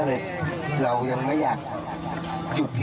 ก็เลยเรายังไม่อยากจุดลิเกย์